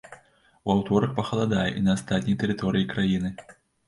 У аўторак пахаладае і на астатняй тэрыторыі краіны.